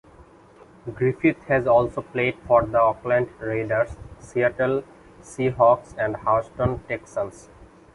Griffith has also played for the Oakland Raiders, Seattle Seahawks and Houston Texans.